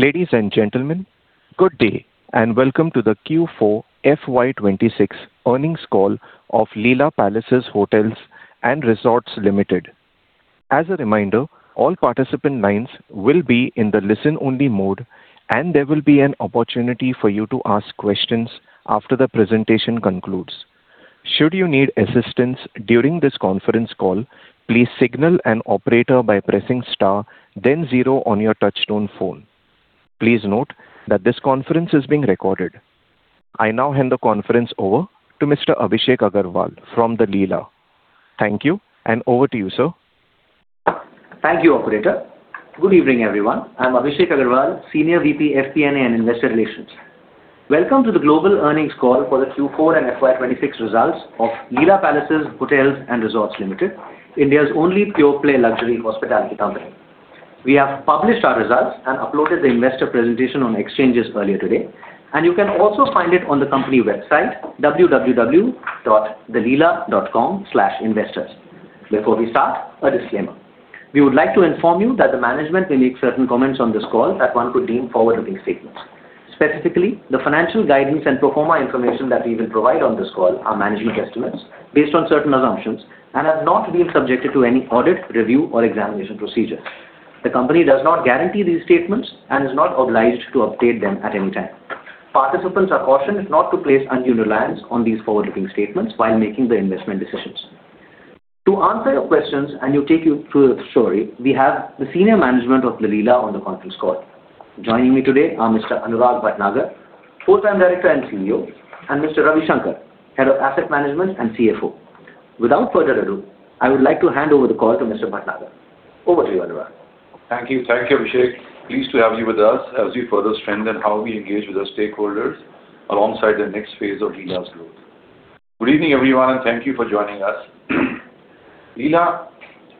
Ladies and gentlemen, good day, and welcome to the Q4 FY 2026 earnings call of Leela Palaces Hotels & Resorts Limited. As a reminder, all participant lines will be in the listen only mode, and there will be an opportunity for you to ask questions after the presentation concludes. Should you need assistance during this conference call, please signal an operator by pressing star then zero on your touchtone phone. Please note that this conference is being recorded. I now hand the conference over to Mr. Abhishek Agarwal from The Leela. Thank you, and over to you, sir. Thank you, operator. Good evening, everyone. I'm Abhishek Agarwal, Senior VP FP&A and Investor Relations. Welcome to the global earnings call for the Q4 and FY 2026 results of Leela Palaces Hotels & Resorts Limited, India's only pure play luxury hospitality company. We have published our results and uploaded the investor presentation on exchanges earlier today, and you can also find it on the company website www.theleela.com/investors. Before we start, a disclaimer. We would like to inform you that the management may make certain comments on this call that one could deem forward-looking statements. Specifically, the financial guidance and pro forma information that we will provide on this call are management estimates based on certain assumptions and have not been subjected to any audit, review or examination procedure. The company does not guarantee these statements and is not obliged to update them at any time. Participants are cautioned not to place undue reliance on these forward-looking statements while making their investment decisions. To answer your questions and to take you through the story, we have the senior management of The Leela on the conference call. Joining me today are Mr. Anuraag Bhatnagar, Whole-time Director and Chief Executive Officer, and Mr. Ravi Shankar, Head of Asset Management and Chief Financial Officer. Without further ado, I would like to hand over the call to Mr. Bhatnagar. Over to you, Anuraag. Thank you. Thank you, Abhishek. Pleased to have you with us as we further strengthen how we engage with our stakeholders alongside the next phase of The Leela's growth. Good evening, everyone, thank you for joining us. The Leela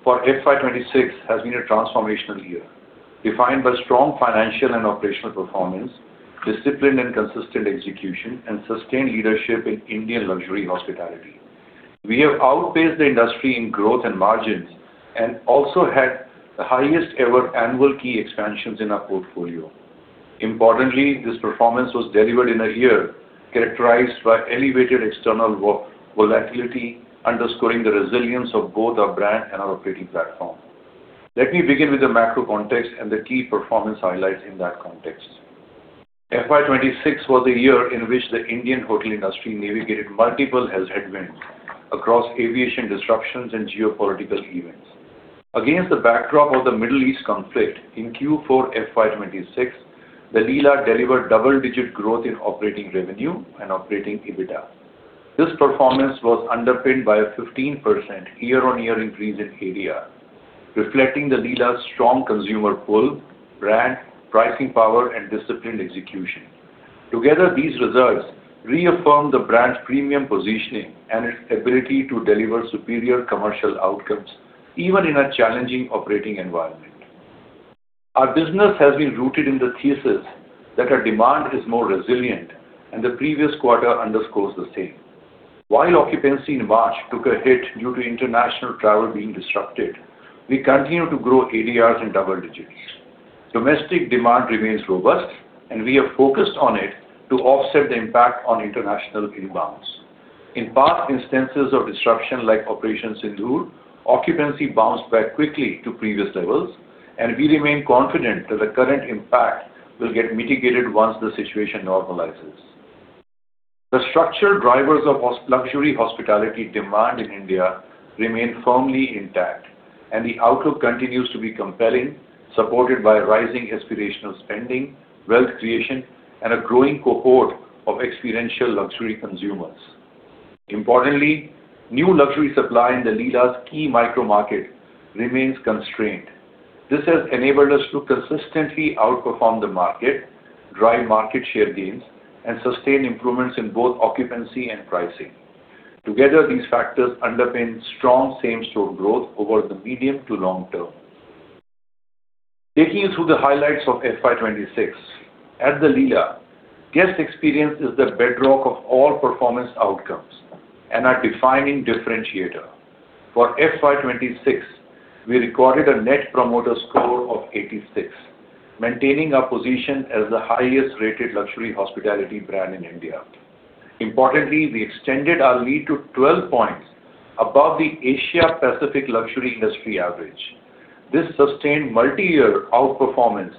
for FY 2026 has been a transformational year, defined by strong financial and operational performance, disciplined and consistent execution, and sustained leadership in Indian luxury hospitality. We have outpaced the industry in growth and margins also had the highest ever annual key expansions in our portfolio. Importantly, this performance was delivered in a year characterized by elevated external volatility, underscoring the resilience of both our brand and our operating platform. Let me begin with the macro context and the key performance highlights in that context. FY 2026 was a year in which the Indian hotel industry navigated multiple health headwinds across aviation disruptions and geopolitical events. Against the backdrop of the Middle East conflict in Q4 FY 2026, The Leela delivered double-digit growth in operating revenue and operating EBITDA. This performance was underpinned by a 15% year-on-year increase in ADR, reflecting The Leela's strong consumer pull, brand pricing power and disciplined execution. Together, these results reaffirm the brand's premium positioning and its ability to deliver superior commercial outcomes even in a challenging operating environment. Our business has been rooted in the thesis that our demand is more resilient, the previous quarter underscores the same. While occupancy in March took a hit due to international travel being disrupted, we continue to grow ADRs in double digits. Domestic demand remains robust, and we are focused on it to offset the impact on international inbounds. In past instances of disruption like Operation Sindoor, occupancy bounced back quickly to previous levels, and we remain confident that the current impact will get mitigated once the situation normalizes. The structural drivers of luxury hospitality demand in India remain firmly intact, and the outlook continues to be compelling, supported by rising aspirational spending, wealth creation, and a growing cohort of experiential luxury consumers. Importantly, new luxury supply in The Leela's key micro market remains constrained. This has enabled us to consistently outperform the market, drive market share gains, and sustain improvements in both occupancy and pricing. Together, these factors underpin strong same-store growth over the medium to long term. Taking you through the highlights of FY 2026. At The Leela, guest experience is the bedrock of all performance outcomes and our defining differentiator. For FY 2026, we recorded a net promoter score of 86, maintaining our position as the highest rated luxury hospitality brand in India. Importantly, we extended our lead to 12 points above the Asia-Pacific luxury industry average. This sustained multiyear outperformance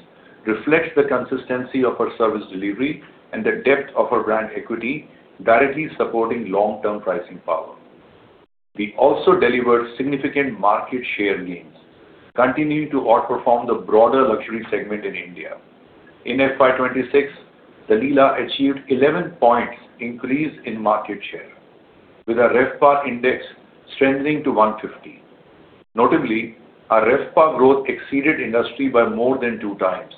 reflects the consistency of our service delivery and the depth of our brand equity directly supporting long-term pricing power. We also delivered significant market share gains, continuing to outperform the broader luxury segment in India. In FY 2026, The Leela achieved 11 points increase in market share with our RevPAR index strengthening to 150. Notably, our RevPAR growth exceeded industry by more than 2x,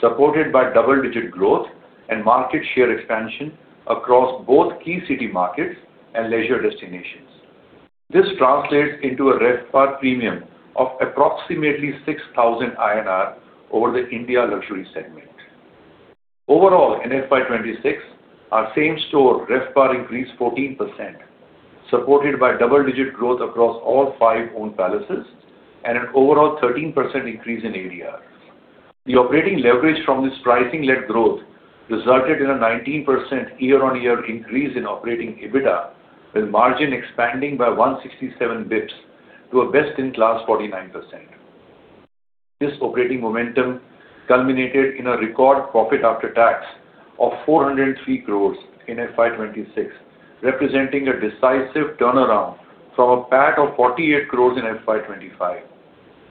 supported by double-digit growth and market share expansion across both key city markets and leisure destinations. This translates into a RevPAR premium of approximately 6,000 INR over the India luxury segment. Overall, in FY 2026, our same store RevPAR increased 14%, supported by double-digit growth across all five owned palaces and an overall 13% increase in ADR. The operating leverage from this pricing-led growth resulted in a 19% year-on-year increase in operating EBITDA, with margin expanding by 167 basis points to a best-in-class 49%. This operating momentum culminated in a record profit after tax of 403 crores in FY 2026, representing a decisive turnaround from a PAT of 48 crores in FY 2025.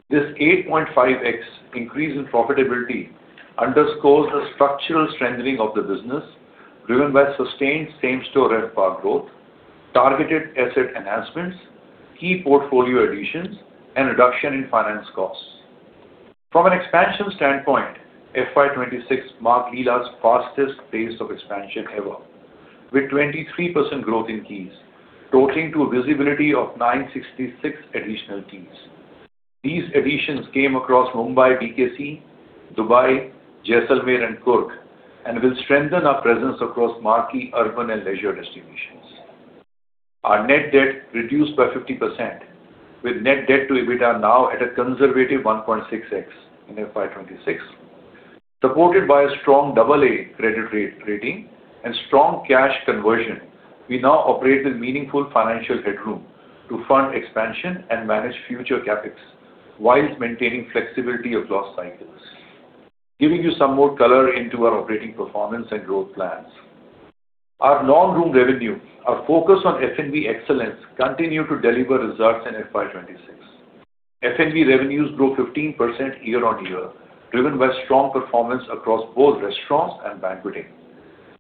This 8.5x increase in profitability underscores the structural strengthening of the business, driven by sustained same-store RevPAR growth, targeted asset enhancements, key portfolio additions, and reduction in finance costs. From an expansion standpoint, FY 2026 marked The Leela's fastest pace of expansion ever, with 23% growth in keys, totaling to a visibility of 966 additional keys. These additions came across Mumbai BKC, Dubai, Jaisalmer, and Coorg, and will strengthen our presence across marquee urban and leisure destinations. Our net debt reduced by 50%, with net debt to EBITDA now at a conservative 1.6x in FY 2026. Supported by a strong double A credit rating and strong cash conversion, we now operate with meaningful financial headroom to fund expansion and manage future CapEx while maintaining flexibility across cycles. Giving you some more color into our operating performance and growth plans. Our non-room revenue, our focus on F&B excellence continued to deliver results in FY 2026. F&B revenues grew 15% year-on-year, driven by strong performance across both restaurants and banqueting.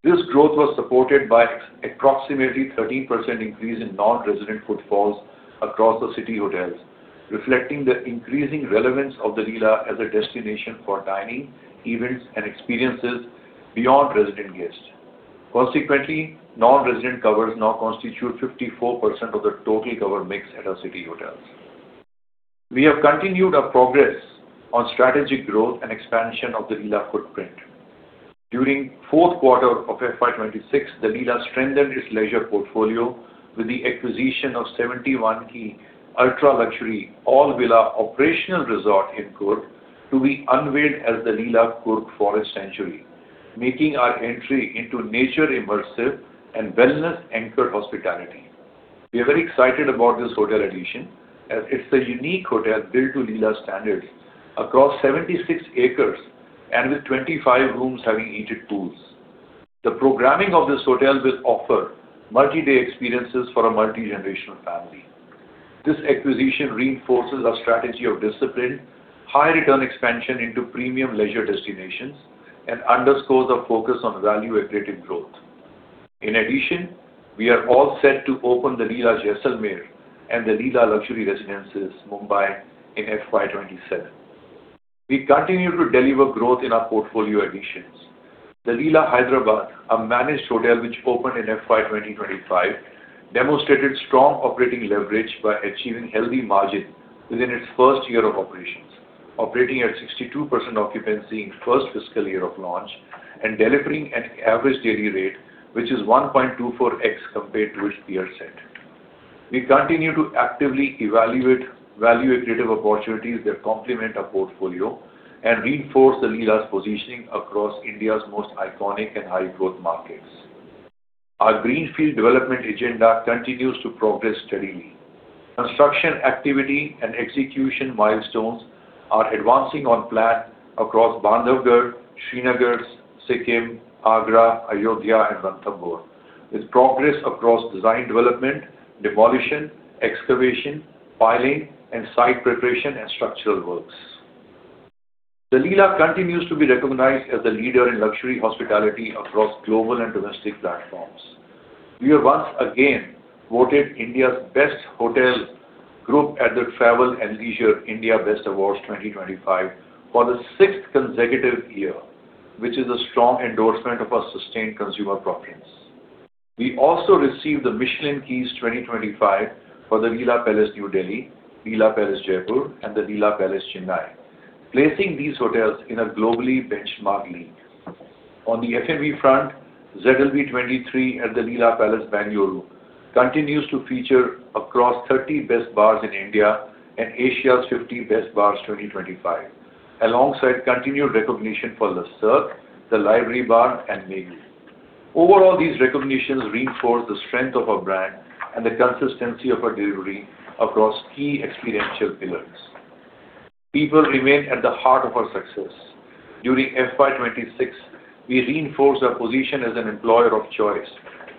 This growth was supported by approximately 13% increase in non-resident footfalls across the city hotels, reflecting the increasing relevance of The Leela as a destination for dining, events, and experiences beyond resident guests. Consequently, non-resident covers now constitute 54% of the total cover mix at our city hotels. We have continued our progress on strategic growth and expansion of The Leela footprint. During fourth quarter of FY 2026, The Leela strengthened its leisure portfolio with the acquisition of 71 key ultra-luxury all-villa operational resort in Coorg, to be unveiled as The Leela Coorg Forest Sanctuary, making our entry into nature immersive and wellness-anchored hospitality. We are very excited about this hotel addition, as it's a unique hotel built to Leela's standards across 76 acres and with 25 rooms having heated pools. The programming of this hotel will offer multi-day experiences for a multi-generational family. This acquisition reinforces our strategy of disciplined, high-return expansion into premium leisure destinations and underscores our focus on value-accretive growth. In addition, we are all set to open The Leela Jaisalmer and The Leela Luxury Residences Mumbai in FY 2027. We continue to deliver growth in our portfolio additions. The Leela Hyderabad, a managed hotel which opened in FY 2025, demonstrated strong operating leverage by achieving healthy margin within its first year of operations, operating at 62% occupancy in first fiscal year of launch and delivering an average daily rate which is 1.24x compared to its peer set. We continue to actively evaluate value accretive opportunities that complement our portfolio and reinforce The Leela's positioning across India's most iconic and high-growth markets. Our greenfield development agenda continues to progress steadily. Construction activity and execution milestones are advancing on plan across Bandhavgarh, Srinagar, Sikkim, Agra, Ayodhya, and Ranthambore, with progress across design development, demolition, excavation, piling, and site preparation and structural works. The Leela continues to be recognized as a leader in luxury hospitality across global and domestic platforms. We are once again voted India's best hotel group at the Travel + Leisure India's Best Awards 2025 for the sixth consecutive year, which is a strong endorsement of our sustained consumer preference. We also received the Michelin Key 2025 for The Leela Palace New Delhi, The Leela Palace Jaipur, and The Leela Palace Chennai, placing these hotels in a globally benchmarked league. On the F&B front, ZLB23 at The Leela Palace Bengaluru continues to feature across 30 Best Bars in India and Asia's 50 Best Bars 2025, alongside continued recognition for Le Cirque, The Library Bar, and Megu. Overall, these recognitions reinforce the strength of our brand and the consistency of our delivery across key experiential pillars. People remain at the heart of our success. During FY 2026, we reinforced our position as an employer of choice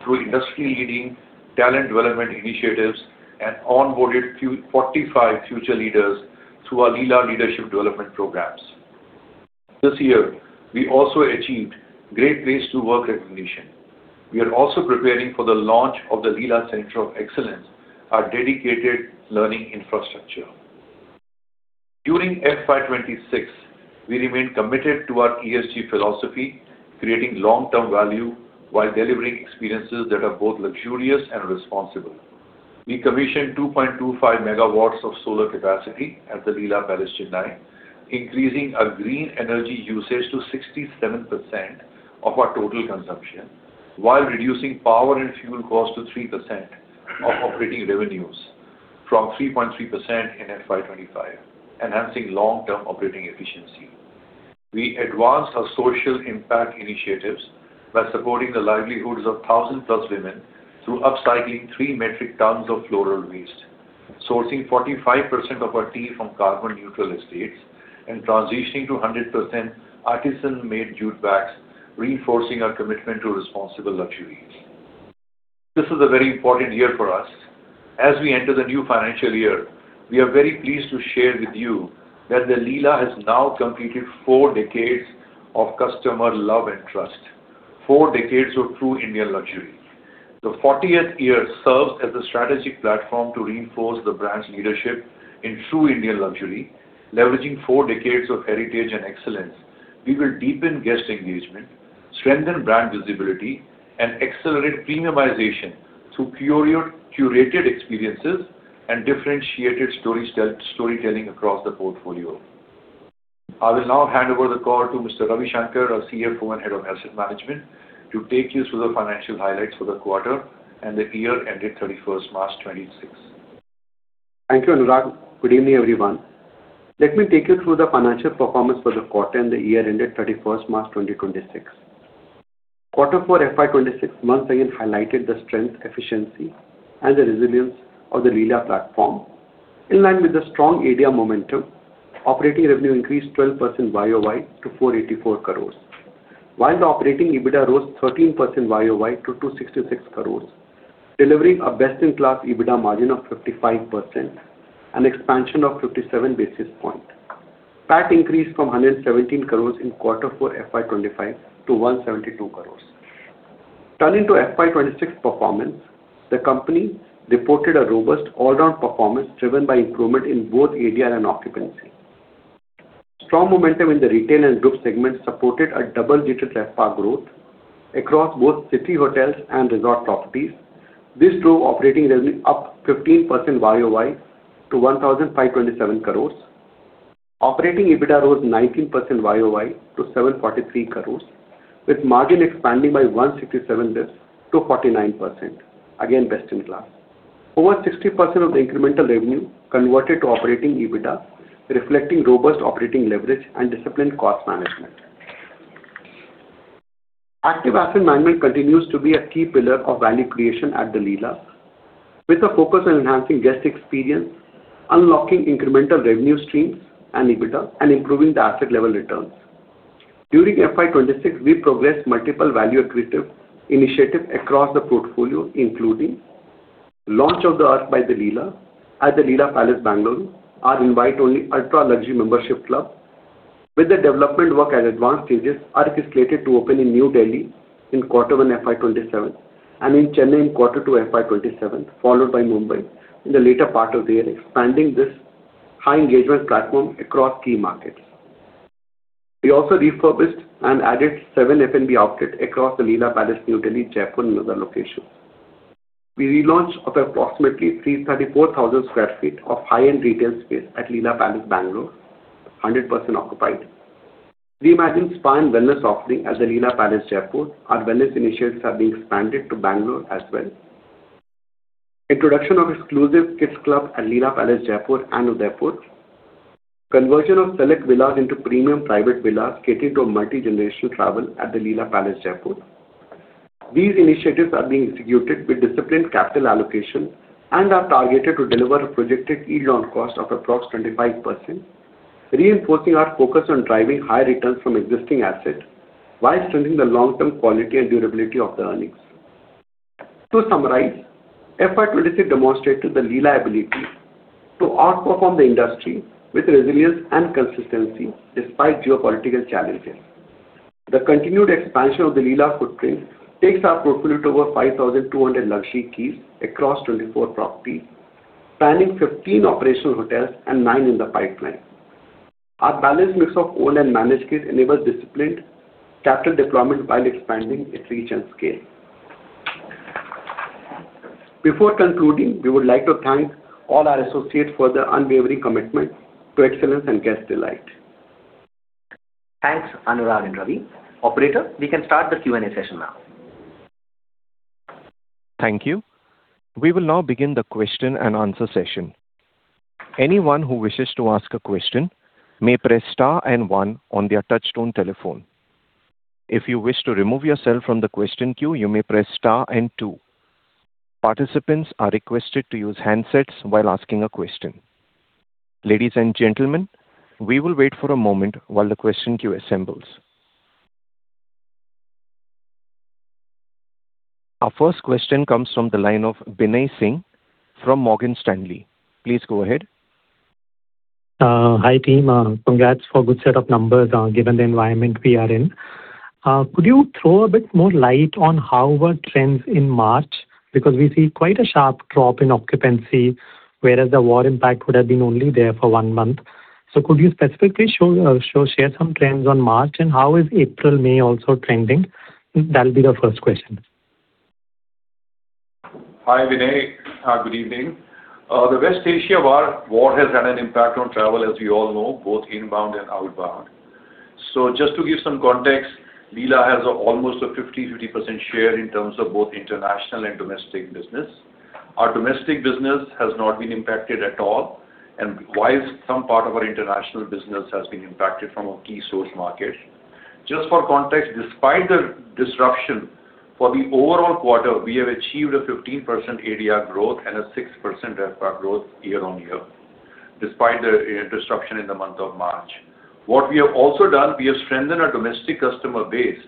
through industry-leading talent development initiatives and onboarded 45 future leaders through our Leela Leadership Development Program. This year, we also achieved Great Place to Work recognition. We are also preparing for the launch of The Leela Center of Excellence, our dedicated learning infrastructure. During FY 2026, we remained committed to our ESG philosophy, creating long-term value while delivering experiences that are both luxurious and responsible. We commissioned 2.25 MW of solar capacity at The Leela Palace Chennai, increasing our green energy usage to 67% of our total consumption, while reducing power and fuel costs to 3% of operating revenues from 3.3% in FY 2025, enhancing long-term operating efficiency. We advanced our social impact initiatives by supporting the livelihoods of 1,000+ women through upcycling 3 mt of floral waste, sourcing 45% of our tea from carbon neutral estates, and transitioning to 100% artisan-made jute bags, reinforcing our commitment to responsible luxuries. This is a very important year for us. As we enter the new financial year, we are very pleased to share with you that The Leela has now completed four decades of customer love and trust. Four decades of true Indian luxury. The 40th year serves as a strategic platform to reinforce the brand's leadership in true Indian luxury, leveraging four decades of heritage and excellence. We will deepen guest engagement, strengthen brand visibility, and accelerate premiumization through curio-curated experiences and differentiated storytelling across the portfolio. I will now hand over the call to Mr. Ravi Shankar, our CFO and Head of Asset Management, to take you through the financial highlights for the quarter and the year ended 31st March 2026. Thank you, Anuraag. Good evening, everyone. Let me take you through the financial performance for the quarter and the year ended March 31, 2026. Q4 FY 2026 once again highlighted the strength, efficiency, and the resilience of The Leela platform. In line with the strong ADR momentum, operating revenue increased 12% YoY to 484 crores, while the operating EBITDA rose 13% YoY to 266 crores, delivering a best-in-class EBITDA margin of 55%, an expansion of 57 basis points. PAT increased from 117 crores in Q4 FY 2025 to 172 crores. Turning to FY 2026 performance, the company reported a robust all-around performance driven by improvement in both ADR and occupancy. Strong momentum in the retail and group segment supported a double-digit RevPAR growth across both city hotels and resort properties. This drove operating revenue up 15% YoY to 1,527 crores. Operating EBITDA rose 19% YoY to 743 crores, with margin expanding by 167 basis points to 49%, again best in class. Over 60% of the incremental revenue converted to operating EBITDA, reflecting robust operating leverage and disciplined cost management. Active asset management continues to be a key pillar of value creation at The Leela, with a focus on enhancing guest experience, unlocking incremental revenue streams and EBITDA, and improving the asset level returns. During FY 2026, we progressed multiple value accretive initiatives across the portfolio, including: launch of The Arq by The Leela at The Leela Palace Bengaluru, our invite-only ultra-luxury membership club. With the development work at advanced stages, Arq is slated to open in New Delhi in Q1 FY 2027 and in Chennai in Q2 FY 2027, followed by Mumbai in the later part of the year, expanding this high engagement platform across key markets. We also refurbished and added seven F&B outlets across The Leela Palace New Delhi, Jaipur and other locations. We relaunched approximately 334,000 sq ft of high-end retail space at The Leela Palace Bengaluru, 100% occupied. Reimagined spa and wellness offering at The Leela Palace Jaipur. Our wellness initiatives are being expanded to Bengaluru as well. Introduction of exclusive kids club at The Leela Palace Jaipur and Udaipur. Conversion of select villas into premium private villas catering to a multi-generational travel at The Leela Palace Jaipur. These initiatives are being instituted with disciplined capital allocation and are targeted to deliver a projected yield on cost of approx 25%, reinforcing our focus on driving higher returns from existing assets while strengthening the long-term quality and durability of the earnings. To summarize, FY 2026 demonstrated The Leela ability to outperform the industry with resilience and consistency despite geopolitical challenges. The continued expansion of The Leela footprint takes our portfolio to over 5,200 luxury keys across 24 properties, planning 15 operational hotels and nine in the pipeline. Our balanced mix of owned and managed keys enables disciplined capital deployment while expanding its reach and scale. Before concluding, we would like to thank all our associates for their unwavering commitment to excellence and guest delight. Thanks, Anuraag and Ravi. Operator, we can start the Q&A session now. Thank you. We will now begin the question and answer session. Anyone who wishes to ask a question may press star and one on their touchtone telephone. If you wish to remove yourself from the question queue, you may press star and two. Participants are requested to use handsets while asking a question. Ladies and gentlemen, we will wait for a moment while the question queue assembles. Our first question comes from the line of Binay Singh from Morgan Stanley. Please go ahead. Hi, team. Congrats for good set of numbers, given the environment we are in. Could you throw a bit more light on how were trends in March? Because we see quite a sharp drop in occupancy, whereas the war impact would have been only there for one month. Could you specifically share some trends on March, and how is April, May also trending? That will be the first question. Hi, Binay. Good evening. The West Asia war has had an impact on travel as we all know, both inbound and outbound. Just to give some context, Leela has almost a 50%/50% share in terms of both international and domestic business. Our domestic business has not been impacted at all, while some part of our international business has been impacted from our key source market. Just for context, despite the disruption for the overall quarter, we have achieved a 15% ADR growth and a 6% RevPAR growth year-on-year, despite the disruption in the month of March. What we have also done, we have strengthened our domestic customer base,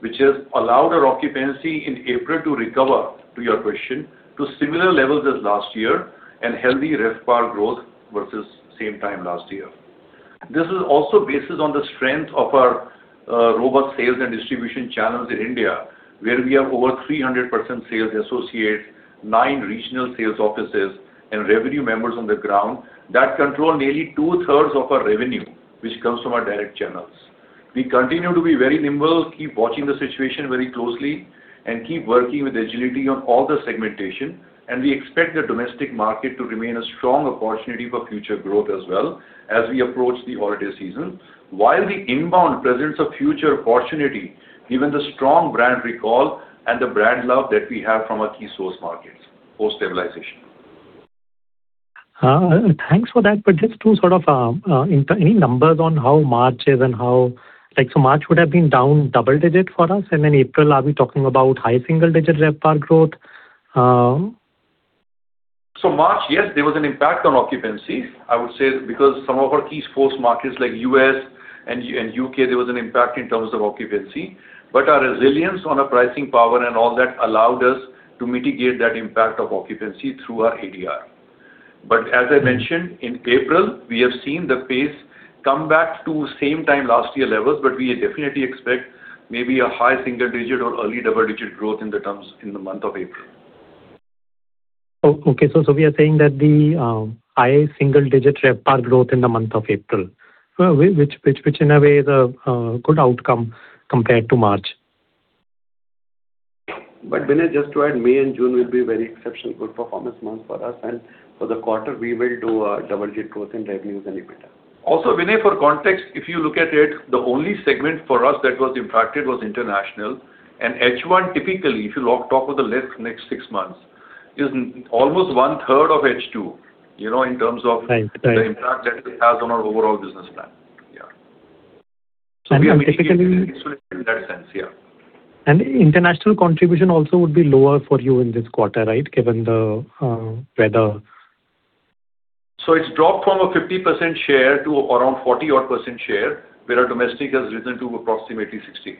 which has allowed our occupancy in April to recover, to your question, to similar levels as last year and healthy RevPAR growth versus same time last year. This is also based on the strength of our robust sales and distribution channels in India, where we have over 300% sales associates, nine regional sales offices and revenue members on the ground that control nearly 2/3 of our revenue, which comes from our direct channels. We continue to be very nimble, keep watching the situation very closely, and keep working with agility on all the segmentation. We expect the domestic market to remain a strong opportunity for future growth as well as we approach the holiday season, while the inbound presents a future opportunity given the strong brand recall and the brand love that we have from our key source markets for stabilization. Thanks for that. Just to sort of, any numbers on how March is. March would have been down double-digit for us, and then April, are we talking about high single-digit RevPAR growth? March, yes, there was an impact on occupancy, I would say because some of our key source markets like U.S. and U.K., there was an impact in terms of occupancy. Our resilience on our pricing power and all that allowed us to mitigate that impact of occupancy through our ADR. As I mentioned, in April, we have seen the pace come back to same time last year levels, we definitely expect maybe a high single digit or early double digit growth in the terms in the month of April. Oh, okay. We are saying that the high single-digit RevPAR growth in the month of April, which in a way is a good outcome compared to March. Binay, just to add, May and June will be very exceptional good performance months for us. For the quarter, we will do a double-digit growth in revenues and EBITDA. Binay, for context, if you look at it, the only segment for us that was impacted was international. H1 typically, if you lock top of the lift next six months, is almost one-third of H2, you know, in terms of-. Right.... the impact that it has on our overall business plan. Yeah. We are mitigating in that sense. Yeah. International contribution also would be lower for you in this quarter, right? Given the weather. It's dropped from a 50% share to around 40% odd share, where our domestic has risen to approximately 60%.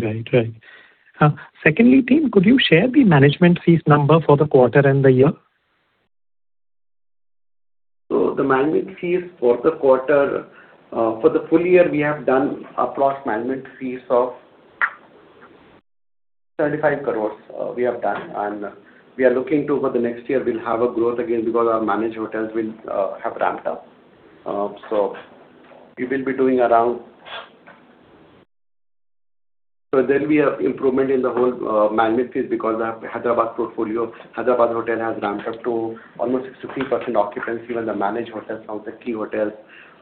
Right. Right. Secondly, team, could you share the management fees number for the quarter and the year? The management fees for the quarter. For the full year, we have done approx management fees of 35 crores, we have done. We are looking for the next year we will have a growth again because our managed hotels will have ramped up. There will be an improvement in the whole management fees because our Hyderabad hotel has ramped up to almost 63% occupancy, while the managed hotels, some of the key hotels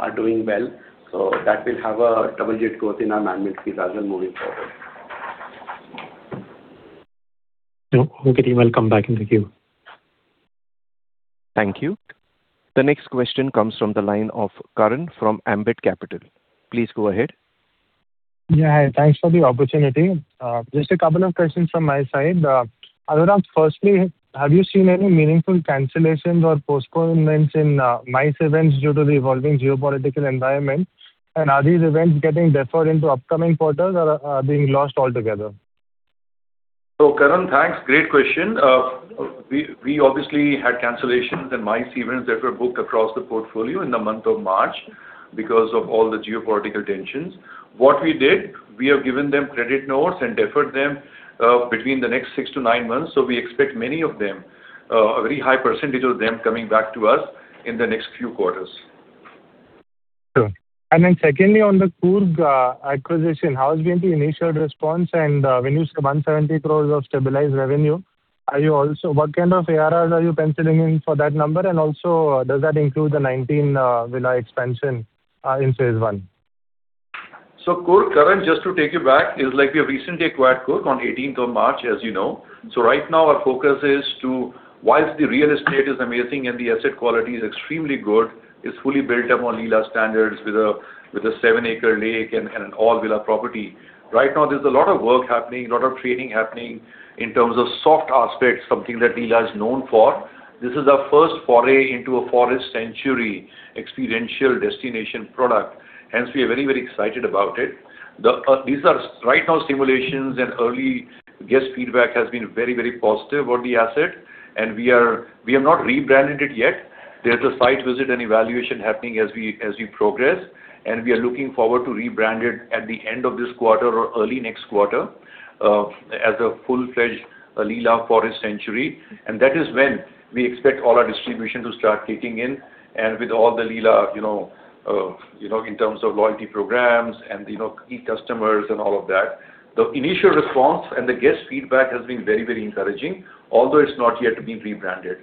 are doing well. That will have a double-digit growth in our management fees as we are moving forward. Okay, team. I'll come back in the queue. Thank you. The next question comes from the line of Karan from Ambit Capital. Please go ahead. Yeah. Hi. Thanks for the opportunity. Just a couple of questions from my side. Anuraag, firstly, have you seen any meaningful cancellations or postponements in MICE events due to the evolving geopolitical environment? Are these events getting deferred into upcoming quarters or are being lost altogether? Karan, thanks. Great question. We obviously had cancellations in MICE events that were booked across the portfolio in the month of March because of all the geopolitical tensions. What we did, we have given them credit notes and deferred them between the next nine to six months. We expect many of them, a very high pecentage of them coming back to us in the next few quarters. Sure. Secondly, on the Coorg acquisition, how has been the initial response and when you say 170 crores of stabilized revenue, what kind of ARR are you penciling in for that number? Also, does that include the 19 villa expansion in phase I? Coorg, Karan, just to take you back, is like we have recently acquired Coorg on 18th of March, as you know. Right now our focus is to, whilst the real estate is amazing and the asset quality is extremely good, it's fully built up on Leela standards with a, with a 7-acre lake and an all-villa property. Right now there's a lot of work happening, a lot of training happening in terms of soft aspects, something that Leela is known for. This is our first foray into a forest sanctuary experiential destination product. We are very, very excited about it. The, these are right now simulations and early guest feedback has been very, very positive on the asset, and we have not rebranded it yet. There's a site visit and evaluation happening as we progress. We are looking forward to rebrand it at the end of this quarter or early next quarter. As a full-fledged The Leela Forest Sanctuary, that is when we expect all our distribution to start kicking in, with all The Leela, you know, in terms of loyalty programs and, you know, key customers and all of that. The initial response and the guest feedback has been very, very encouraging, although it's not yet been rebranded.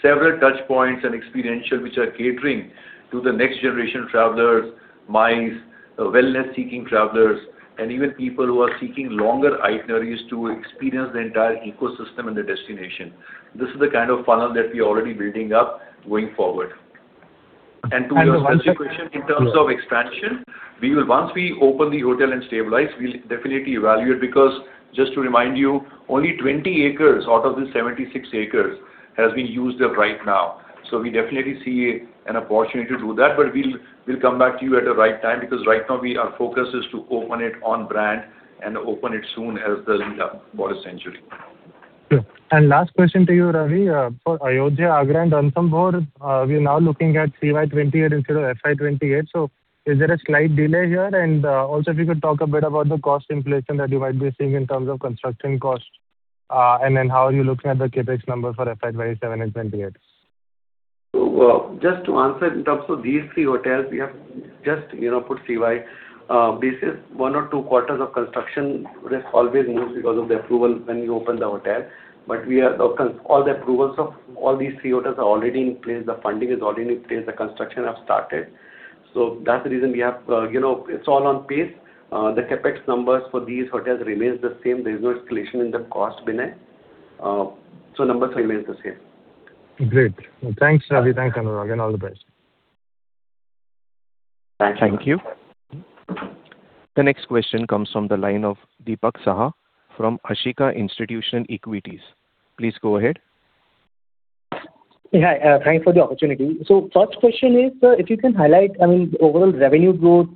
Several touch points and experiential which are catering to the next generation travelers, MICE, wellness-seeking travelers, and even people who are seeking longer itineraries to experience the entire ecosystem and the destination. This is the kind of funnel that we're already building up going forward. To answer your question in terms of expansion, Once we open the hotel and stabilize, we'll definitely evaluate, because just to remind you, only 20 acres out of the 76 acres has been used up right now. We definitely see an opportunity to do that, but we'll come back to you at the right time, because right now our focus is to open it on brand and open it soon as The Leela Forest Sanctuary. Sure. Last question to you, Ravi. For Ayodhya, Agra, and Ranthambore, we are now looking at CY 2028 instead of FY 2028. Is there a slight delay here? Also if you could talk a bit about the cost inflation that you might be seeing in terms of construction costs, then how are you looking at the CapEx number for FY 2027 and 2028? Just to answer in terms of these three hotels, we have just, you know, put CY. This is one or two quarters of construction risk always moves because of the approval when you open the hotel. All the approvals of all these three hotels are already in place. The funding is already in place. The construction have started. That's the reason we have, you know, it's all on pace. The CapEx numbers for these hotels remains the same. There's no escalation in the cost, [Karan]. Numbers remains the same. Great. Thanks, Ravi. Thanks, Anuraag, and all the best. Thanks. Thank you. The next question comes from the line of Dipak Saha from Nirmal Bang Institutional Equities. Please go ahead. Yeah. Thanks for the opportunity. First question is, if you can highlight, overall revenue growth,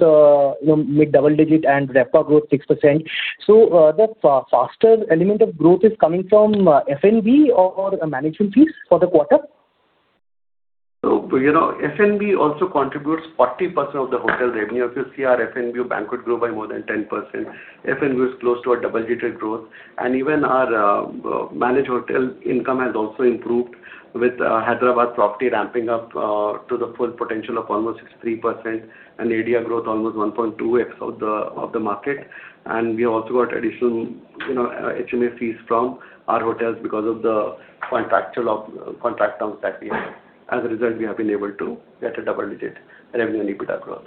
mid-double digit and RevPAR growth 6%. The faster element of growth is coming from F&B or management fees for the quarter? You know, F&B also contributes 40% of the hotel revenue. If you see our F&B banquet grow by more than 10%, F&B is close to a double-digit growth. Even our managed hotel income has also improved with The Leela Hyderabad ramping up to the full potential of almost 63% and ADR growth almost 1.2x of the market. We have also got additional, you know, HMA fees from our hotels because of the contractual contract terms that we have. As a result, we have been able to get a double-digit revenue and EBITDA growth.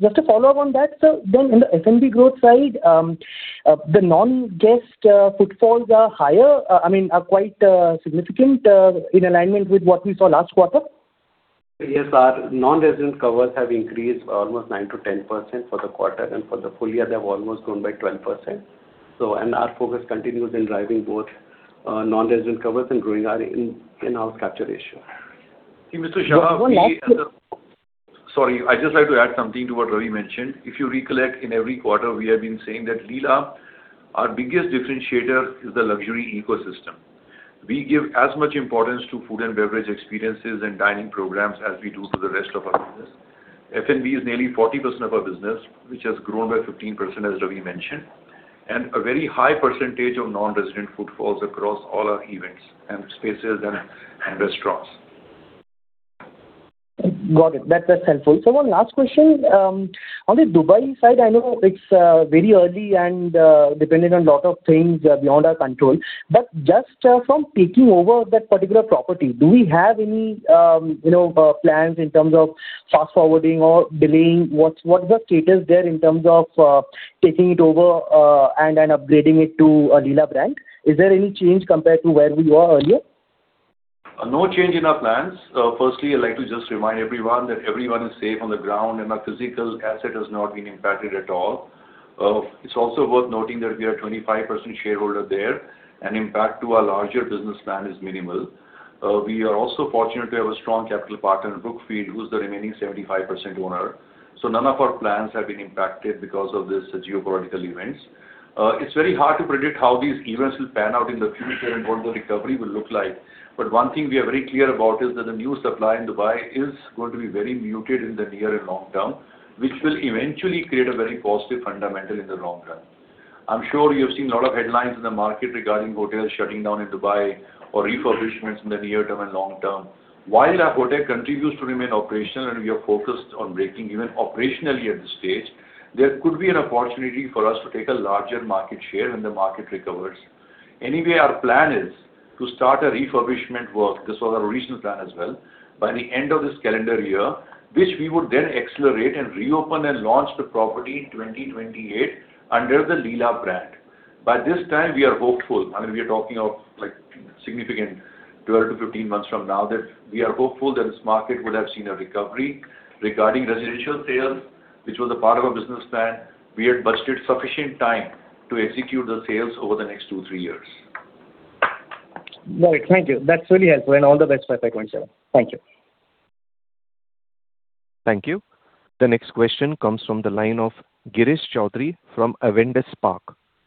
Just to follow up on that, sir. In the F&B growth side, the non-guest footfalls are higher, I mean, are quite significant, in alignment with what we saw last quarter? Yes. Our non-resident covers have increased almost 9%-10% for the quarter. For the full year they have almost grown by 12%. Our focus continues in driving both non-resident covers and growing our in-house capture ratio. See, Mr. Saha. One last quick. Sorry, I'd just like to add something to what Ravi mentioned. If you recollect, in every quarter we have been saying that Leela, our biggest differentiator is the luxury ecosystem. We give as much importance to food and beverage experiences and dining programs as we do to the rest of our business. F&B is nearly 40% of our business, which has grown by 15%, as Ravi mentioned, and a very high percentage of non-resident footfalls across all our events and spaces and restaurants. Got it. That's helpful. One last question. On the Dubai side, I know it's very early and dependent on lot of things beyond our control. Just from taking over that particular property, do we have any, you know, plans in terms of fast-forwarding or delaying? What's the status there in terms of taking it over and upgrading it to a Leela brand? Is there any change compared to where we were earlier? No change in our plans. Firstly, I'd like to just remind everyone that everyone is safe on the ground, and our physical asset has not been impacted at all. It's also worth noting that we are a 25% shareholder there, and impact to our larger business plan is minimal. We are also fortunate to have a strong capital partner, Brookfield, who's the remaining 75% owner. None of our plans have been impacted because of this geopolitical events. It's very hard to predict how these events will pan out in the future and what the recovery will look like. One thing we are very clear about is that the new supply in Dubai is going to be very muted in the near and long term, which will eventually create a very positive fundamental in the long run. I'm sure you've seen a lot of headlines in the market regarding hotels shutting down in Dubai or refurbishments in the near term and long term. While that hotel continues to remain operational and we are focused on breaking even operationally at this stage, there could be an opportunity for us to take a larger market share when the market recovers. Our plan is to start a refurbishment work, this was our original plan as well, by the end of this calendar year, which we would then accelerate and reopen and launch the property in 2028 under The Leela brand. By this time, we are hopeful, I mean, we are talking of like significant 12 to 15 months from now that we are hopeful that this market would have seen a recovery. Regarding residential sales, which was a part of our business plan, we had budgeted sufficient time to execute the sales over the next two, three years. Got it. Thank you. That's really helpful, and all the best for FY 2027. Thank you. Thank you. The next question comes from the line of Girish Choudhary from Avendus Spark.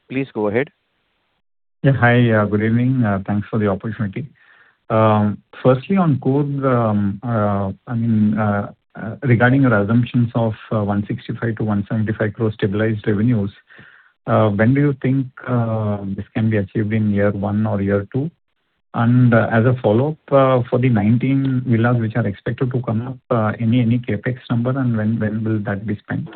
Please go ahead. Yeah. Hi, good evening. Thanks for the opportunity. Firstly, on Coorg, I mean, regarding your assumptions of 165 crore-175 crore stabilized revenues, when do you think this can be achieved in year one or year two? As a follow-up, for the 19 villas which are expected to come up, any CapEx number and when will that be spent?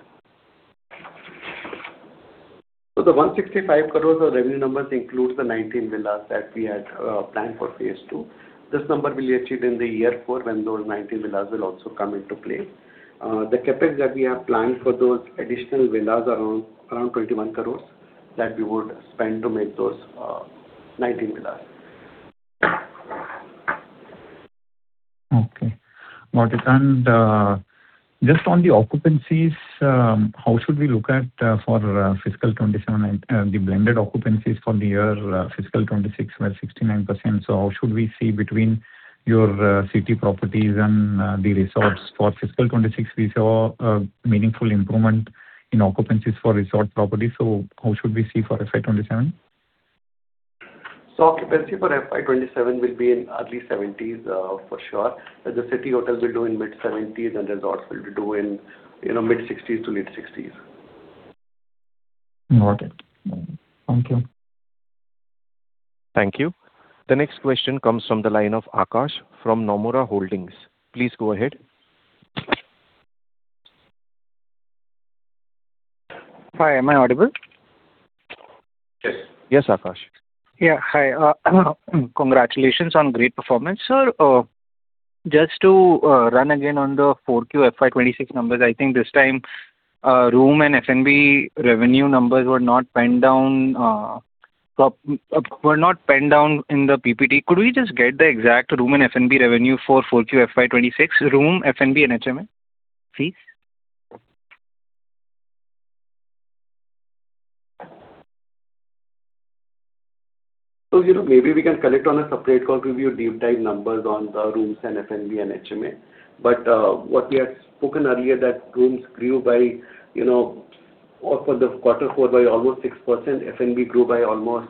The 165 crores of revenue numbers includes the 19 villas that we had planned for phase II. This number will be achieved in the year four when those 19 villas will also come into play. The CapEx that we have planned for those additional villas are around 21 crores that we would spend to make those 19 villas. Okay. Got it. Just on the occupancies, how should we look at for fiscal 2027 and the blended occupancies for the year, fiscal 2026 were 69%. How should we see between your city properties and the resorts? For fiscal 2026, we saw a meaningful improvement in occupancies for resort properties. How should we see for FY 2027? Occupancy for FY 2027 will be in early 70%, for sure, as the city hotels will do in mid-70% and resorts will do in, you know, mid-60% to late 60%. Noted. Thank you. Thank you. The next question comes from the line of Akash from Nomura Holdings. Please go ahead. Hi, am I audible? Yes. Yes, Akash. Yeah, hi. Congratulations on great performance. Sir, just to run again on the Q4 FY 2026 numbers. I think this time, room and F&B revenue numbers were not pinned down in the PPT. Could we just get the exact room and F&B revenue for Q4 FY 2026? Room, F&B and HMA fees. You know, maybe we can collect on a separate call to give you deep dive numbers on the rooms and F&B and HMA. What we have spoken earlier that rooms grew by, you know, for the quarter four by almost 6%. F&B grew by almost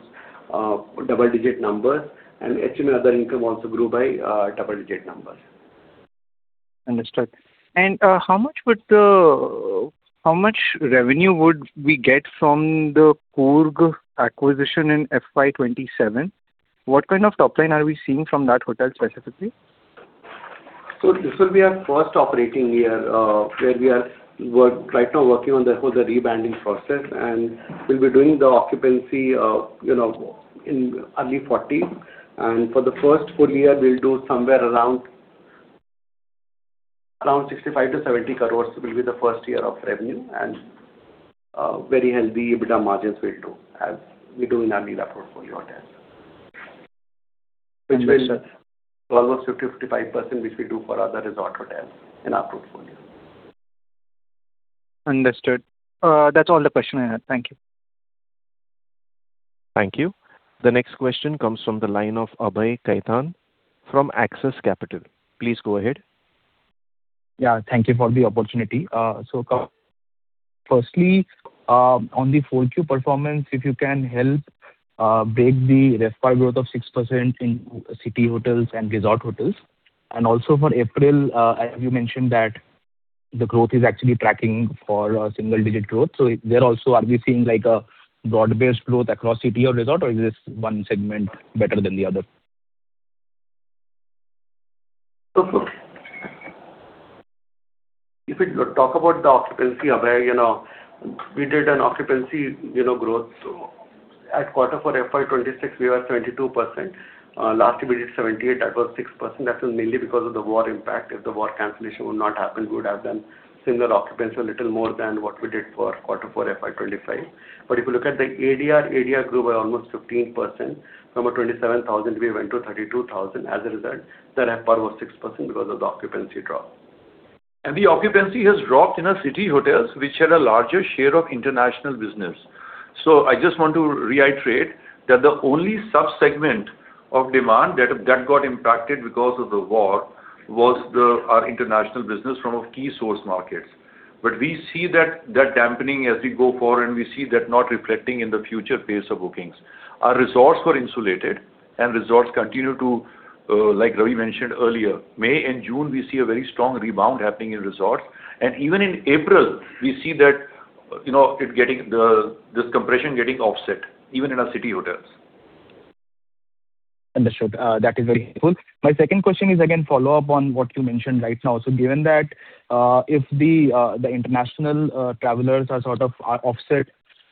double-digit numbers, and HMA, other income also grew by double-digit numbers. Understood. How much revenue would we get from the Coorg acquisition in FY 2027? What kind of top line are we seeing from that hotel specifically? This will be our first operating year, where we are right now working on the whole, the rebanding process, and we will be doing the occupancy, you know, in early 40%. For the first full year, we will do somewhere around 65 crore-70 crore will be the first year of revenue. Very healthy EBITDA margins will do as we do in our Leela portfolio hotels. Understood, sir. Which will be almost 50%-55%, which we do for other resort hotels in our portfolio. Understood. That's all the question I had. Thank you. Thank you. The next question comes from the line of Abhay Khaitan from Axis Capital. Please go ahead. Yeah. Thank you for the opportunity. Firstly, on the Q4 performance, if you can help break the RevPAR growth of 6% in city hotels and resort hotels. Also for April, you mentioned that the growth is actually tracking for a single-digit growth. There also are we seeing like a broad-based growth across city or resort, or is this one segment better than the other? If we talk about the occupancy, Abhay, you know, we did an occupancy, you know, growth. At quarter four FY 2026 we were 22%. Last we did 78%, that was 6%. That was mainly because of the war impact. If the war cancellation would not happen, we would have done similar occupancy, a little more than what we did for quarter four FY 2025. If you look at the ADR grew by almost 15%. From 27,000 we went to 32,000. As a result, the RevPAR was 6% because of the occupancy drop. The occupancy has dropped in our city hotels, which had a larger share of international business. I just want to reiterate that the only sub-segment of demand that got impacted because of the war was our international business from our key source markets. We see that dampening as we go forward, and we see that not reflecting in the future pace of bookings. Our resorts were insulated and resorts continue to, like Ravi mentioned earlier, May and June we see a very strong rebound happening in resorts. Even in April we see that, you know, it getting this compression getting offset even in our city hotels. Understood. That is very helpful. My second question is again follow-up on what you mentioned right now. Given that, if the international, travelers are sort of offset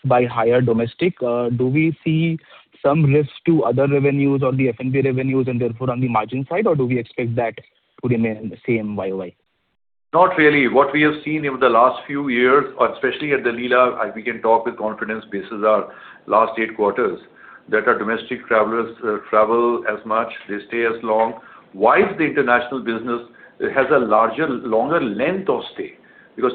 by higher domestic, do we see some risk to other revenues or the F&B revenues and therefore on the margin side, or do we expect that to remain the same YOY? Not really. What we have seen over the last few years, especially at The Leela, we can talk with confidence basis our last eight quarters, that our domestic travelers travel as much, they stay as long, whilst the international business has a larger, longer length of stay.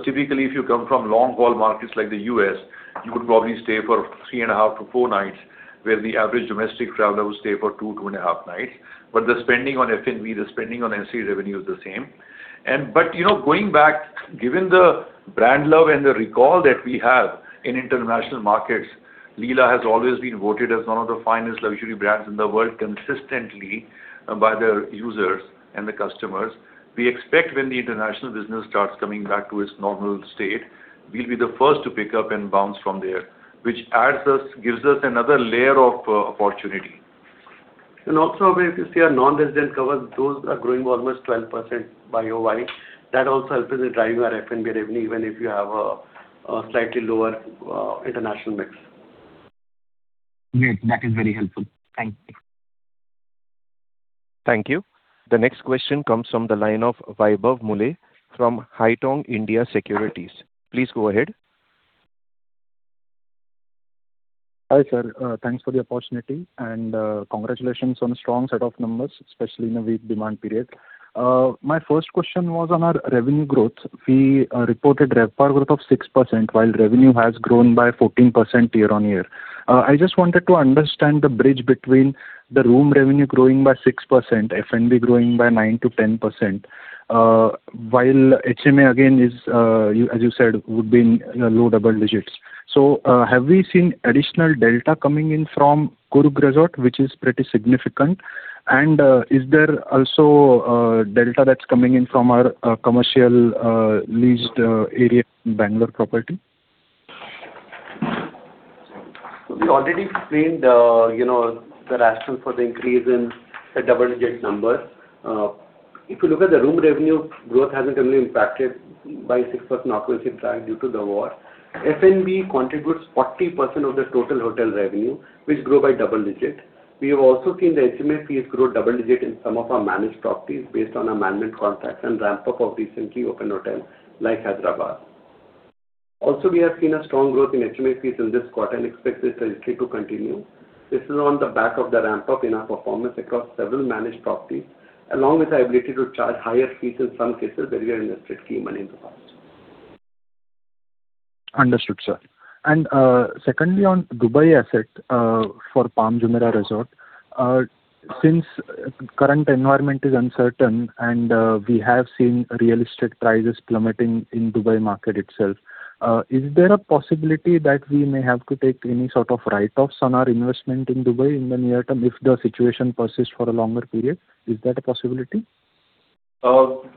Typically if you come from long-haul markets like the U.S., you would probably stay for 3.5 to four nights, where the average domestic traveler would stay for 2.5 nights. The spending on F&B, the spending on SE revenue is the same. You know, going back, given the brand love and the recall that we have in international markets, Leela has always been voted as one of the finest luxury brands in the world consistently by their users and the customers. We expect when the international business starts coming back to its normal state, we'll be the first to pick up and bounce from there, which gives us another layer of opportunity. Also, if you see our non-resident covers, those are growing almost 12% YoY. That also helps in driving our F&B revenue, even if you have a slightly lower international mix. Great. That is very helpful. Thank you. Thank you. The next question comes from the line of Vaibhav Muley from Haitong India Securities. Please go ahead. Hi, sir. Thanks for the opportunity, and congratulations on a strong set of numbers, especially in a weak demand period. My first question was on our revenue growth. We reported RevPAR growth of 6%, while revenue has grown by 14% year-on-year. I just wanted to understand the bridge between the room revenue growing by 6%, F&B growing by 9%-10%, while HMA again is, as you said, would be in low double digits. Have we seen additional delta coming in from Coorg Resort, which is pretty significant? And is there also a delta that's coming in from our commercial leased area Bangalore property? We already explained, you know, the rationale for the increase in the double-digit numbers. If you look at the room revenue growth hasn't been really impacted by 6% occupancy decline due to the war. F&B contributes 40% of the total hotel revenue, which grow by double digit. We have also seen the HMA fees grow double digit in some of our managed properties based on our management contracts and ramp up of recently opened hotels like Hyderabad. We have seen a strong growth in HMA fees in this quarter and expect this trajectory to continue. This is on the back of the ramp up in our performance across several managed properties, along with our ability to charge higher fees in some cases where we are in a strategic money deposit. Understood, sir. Secondly, on Dubai asset, for Palm Jumeirah Resort, since current environment is uncertain and, we have seen real estate prices plummeting in Dubai market itself, is there a possibility that we may have to take any sort of write-offs on our investment in Dubai in the near term if the situation persists for a longer period? Is that a possibility?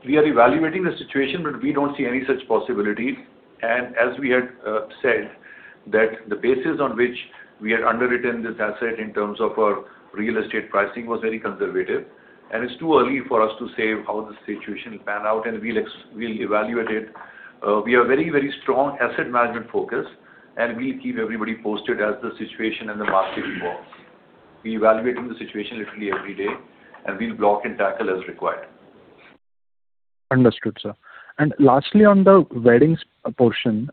We are evaluating the situation, but we don't see any such possibility. As we had said that the basis on which we had underwritten this asset in terms of our real estate pricing was very conservative, and it's too early for us to say how the situation will pan out, and we'll evaluate it. We are very strong asset management focused, and we'll keep everybody posted as the situation and the market evolves. We're evaluating the situation literally every day, and we'll block and tackle as required. Understood, sir. Lastly, on the weddings portion,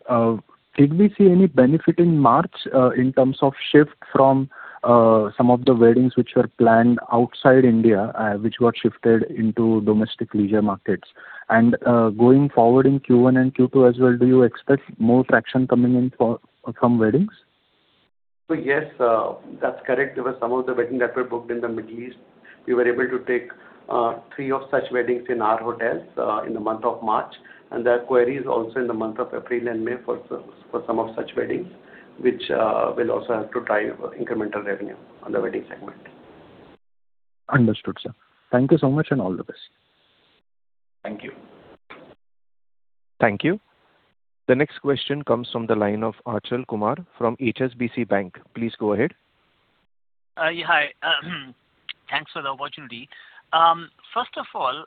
did we see any benefit in March in terms of shift from some of the weddings which were planned outside India, which got shifted into domestic leisure markets? Going forward in Q1 and Q2 as well, do you expect more traction coming in from weddings? Yes, that's correct. There were some of the weddings that were booked in the Middle East. We were able to take three of such weddings in our hotels in the month of March, and there are queries also in the month of April and May for some of such weddings, which will also help to drive incremental revenue on the wedding segment. Understood, sir. Thank you so much, and all the best. Thank you. Thank you. The next question comes from the line of Achal Kumar from HSBC Bank. Please go ahead. Yeah, hi. Thanks for the opportunity. First of all,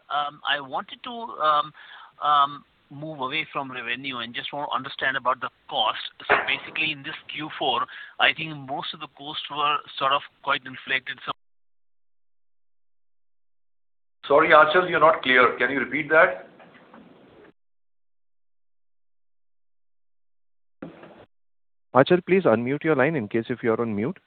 I wanted to move away from revenue and just want to understand about the cost. Basically, in this Q4, I think most of the costs were sort of quite inflated- Sorry, Achal, you're not clear. Can you repeat that? Achal, please unmute your line in case if you are on mute.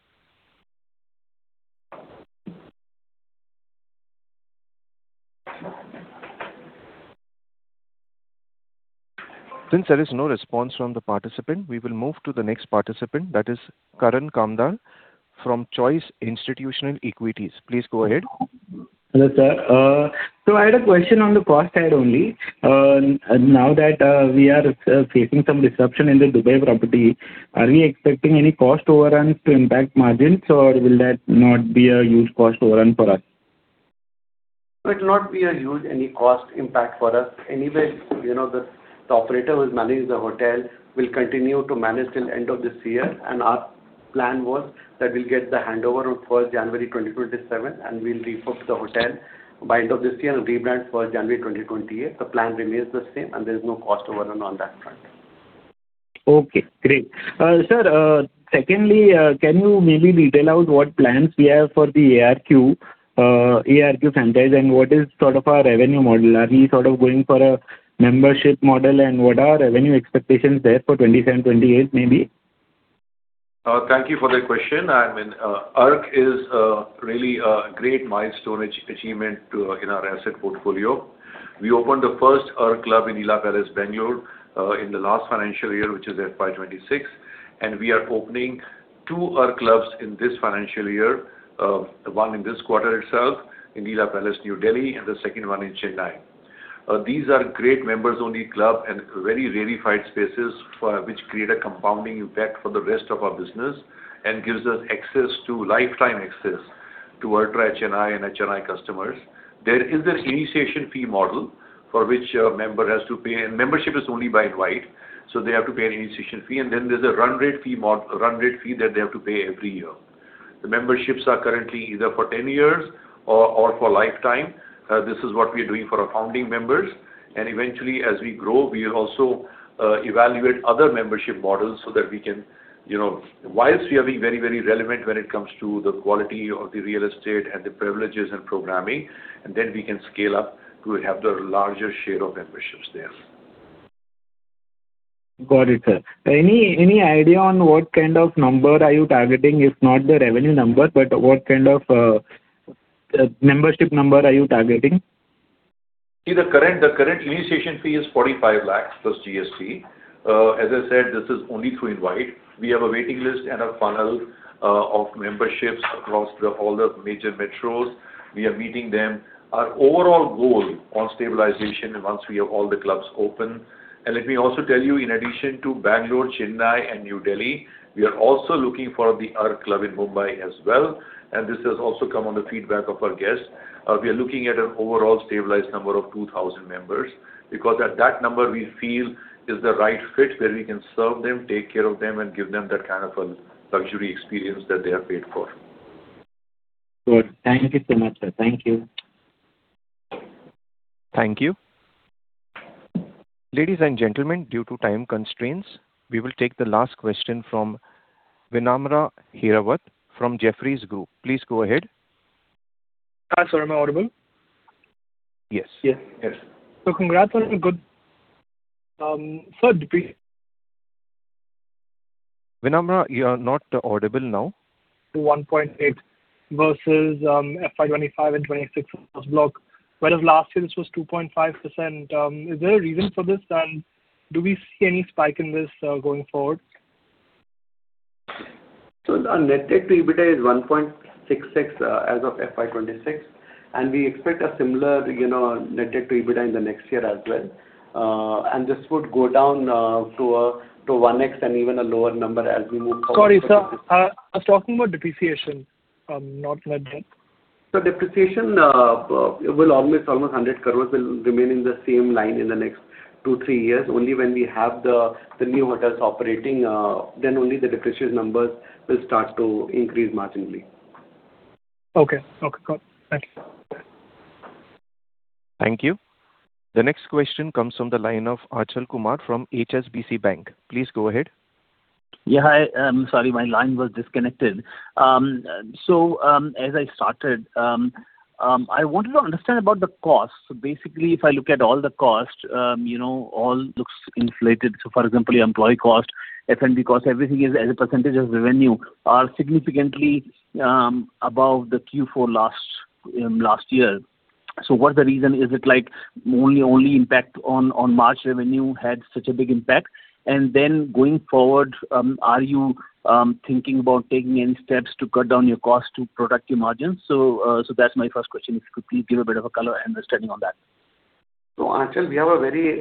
Since there is no response from the participant, we will move to the next participant, that is Karan Kamdar from Choice Institutional Equities. Please go ahead. Hello, sir. I had a question on the cost side only. Now that we are facing some disruption in the Dubai property, are we expecting any cost overruns to impact margins, or will that not be a huge cost overrun for us? It will not be a huge any cost impact for us. Anyway, you know, the operator who is managing the hotel will continue to manage till end of this year. Our plan was that we'll get the handover on first January 2027, and we'll rebook the hotel by end of this year and rebrand first January 2028. The plan remains the same, and there is no cost overrun on that front. Okay, great. Sir, secondly, can you maybe detail out what plans we have for the Arq franchise, what is sort of our revenue model? Are we sort of going for a membership model, and what are revenue expectations there for 2027, 2028, maybe? Thank you for that question. I mean, Arq is really a great milestone achievement in our asset portfolio. We opened the first Arq club in The Leela Palace Bengaluru in the last financial year, which is FY 2026. We are opening two Arq clubs in this financial year, one in this quarter itself in The Leela Palace New Delhi, and the second one in Chennai. These are great members-only club and very rarified spaces for which create a compounding effect for the rest of our business and gives us access to lifetime access to ultra HNI and HNI customers. There is an initiation fee model for which a member has to pay, and membership is only by invite, so they have to pay an initiation fee. Then there's a run rate fee that they have to pay every year. The memberships are currently either for 10 years or for lifetime. This is what we are doing for our founding members. Eventually, as we grow, we also evaluate other membership models so that we can, you know, whilst we are being very, very relevant when it comes to the quality of the real estate and the privileges and programming, and then we can scale up to have the larger share of memberships there. Got it, sir. Any idea on what kind of number are you targeting? If not the revenue number, but what kind of membership number are you targeting? See the current initiation fee is 45 lakhs plus GST. As I said, this is only through invite. We have a waiting list and a funnel of memberships across all the major metros. We are meeting them. Our overall goal on stabilization and once we have all the clubs open. Let me also tell you, in addition to Bengaluru, Chennai and New Delhi, we are also looking for the Arq club in Mumbai as well. This has also come on the feedback of our guests. We are looking at an overall stabilized number of 2,000 members because at that number we feel is the right fit, where we can serve them, take care of them and give them that kind of a luxury experience that they have paid for. Good. Thank you so much, sir. Thank you. Thank you. Ladies and gentlemen, due to time constraints, we will take the last question from Vinamra Hirawat from Jefferies Group. Please go ahead. Hi, sir. Am I audible? Yes. Yes. Yes. Congrats on a good third quarter- Vinamra, you are not audible now. 1.8 versus FY 2025 and 2026 block. Whereas last year this was 2.5%. Is there a reason for this? Do we see any spike in this going forward? Our net debt to EBITDA is 1.66x as of FY 2026, and we expect a similar, you know, net debt to EBITDA in the next year as well. This would go down to 1x and even a lower number as we move forward. Sorry, sir. I was talking about depreciation, not net debt. Depreciation, almost 100 crore will remain in the same line in the next two, three years. Only when we have the new hotels operating, then only the depreciation numbers will start to increase marginally. Okay. Okay, got it. Thank you. Thank you. The next question comes from the line of Achal Kumar from HSBC Bank. Please go ahead. Yeah. Hi, sorry my line was disconnected. As I started, I wanted to understand about the costs. Basically, if I look at all the costs, you know, all looks inflated. For example, your employee cost, F&B cost, everything is as a percentage of revenue are significantly above the Q4 last year. What's the reason? Is it like only impact on March revenue had such a big impact? Going forward, are you thinking about taking any steps to cut down your costs to protect your margins? That's my first question. If you could please give a bit of a color understanding on that. Achal, we have a very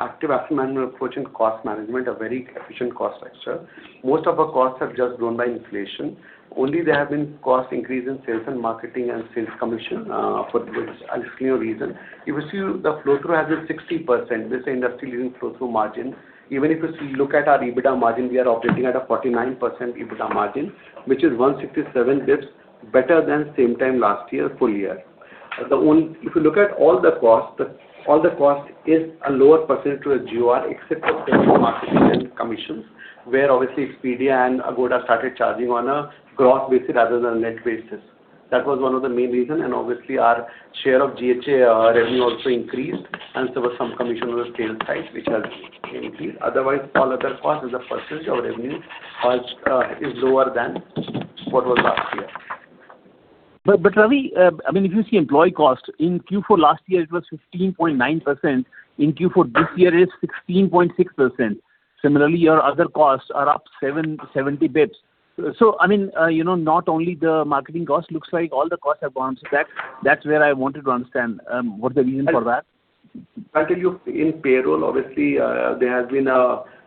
active asset management approach in cost management, a very efficient cost structure. Most of our costs have just grown by inflation. Only there have been cost increase in sales and marketing and sales commission, for which I'll explain you a reason. If you see the flow through has been 60%, this industry-leading flow-through margin. Even if you look at our EBITDA margin, we are operating at a 49% EBITDA margin, which 167 basis points better than same time last year, full year. If you look at all the costs, all the costs is a lower percentage to a GR except for marketing and commissions, where obviously Expedia and Agoda started charging on a gross basis rather than a net basis. That was one of the main reason. Obviously our share of GHA revenue also increased and there were some commission with sales price which has increased. Otherwise, all other costs as a percentage of revenue are lower than what was last year. Ravi, I mean, if you see employee costs in Q4 last year it was 15.9%. In Q4 this year it is 16.6%. Similarly, your other costs are up 70 basis points. I mean, you know, not only the marketing costs, looks like all the costs have gone to that. That's where I wanted to understand, what's the reason for that? I'll tell you, in payroll, obviously, there has been,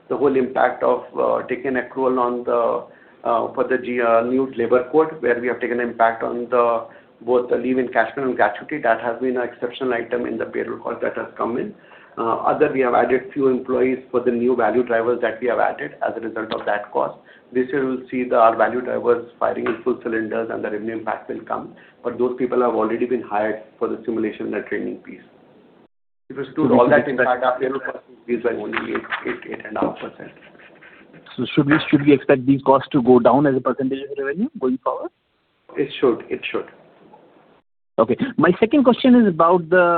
the whole impact of, taking accrual on the, for the, new labor code, where we have taken impact on the both the leave encashment and gratuity. That has been an exceptional item in the payroll cost that has come in. Other we have added few employees for the new value drivers that we have added as a result of that cost. This year we'll see the our value drivers firing in full cylinders and the revenue impact will come. Those people have already been hired for the simulation and training piece. If you exclude all that impact, our payroll cost increase by only 8.5%. Should we expect these costs to go down as a percentage of revenue going forward? It should. Okay. My second question is about the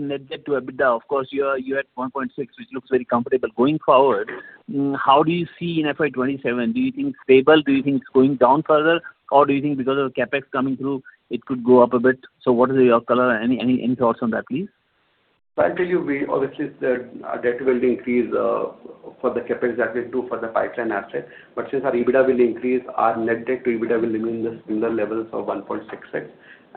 net debt to EBITDA. Of course, you are, you're at 1.6x, which looks very comfortable. Going forward, how do you see in FY 2027? Do you think stable? Do you think it's going down further? Or do you think because of the CapEx coming through it could go up a bit? What is your color? Any thoughts on that, please? I'll tell you, we obviously said our debt will increase for the CapEx that we do for the pipeline assets. Since our EBITDA will increase, our net debt to EBITDA will remain in the similar levels of 1.66x.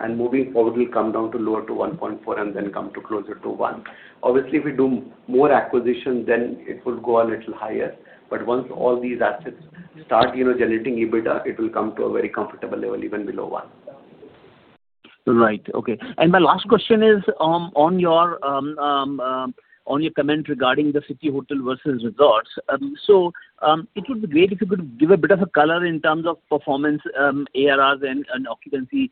Moving forward, we'll come down to lower to 1.4x and then come to closer to 1x. Obviously, if we do more acquisition then it will go a little higher. Once all these assets start, you know, generating EBITDA, it will come to a very comfortable level, even below 1x. Right. Okay. My last question is on your comment regarding the city hotel versus resorts. It would be great if you could give a bit of a color in terms of performance, ADR and occupancy,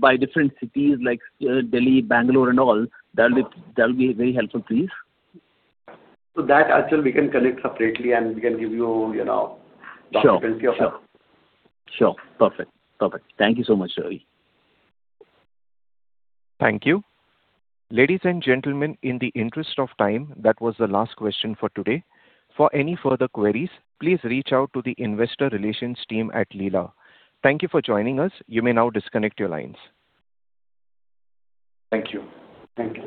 by different cities like Delhi, Bengaluru and all. That'll be very helpful, please. That, Achal, we can connect separately and we can give you know, the occupancy of- Sure. Sure. Sure. Perfect. Perfect. Thank you so much, Ravi. Thank you. Ladies and gentlemen, in the interest of time, that was the last question for today. For any further queries, please reach out to the investor relations team at Leela. Thank you for joining us. You may now disconnect your lines. Thank you. Thank you.